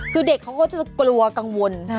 คือเด็กเขาก็จะกลัวกังวล